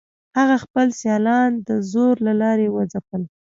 هغه خپل سیالان د زور له لارې وځپل.